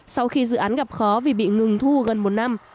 sau khi dự án gặp khó vì bị ngừng thu gần một năm